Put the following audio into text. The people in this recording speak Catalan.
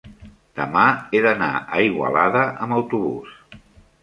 demà he d'anar a Igualada amb autobús.